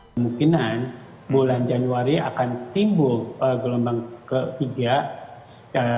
kemungkinan bulan januari akan timbul gelombang ketiga